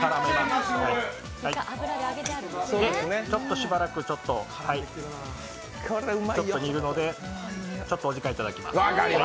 しばらくちょっと煮るのでお時間いただきます。